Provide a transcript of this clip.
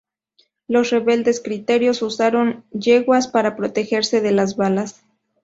Los rebeldes cristeros usaron yeguas para protegerse de las balas.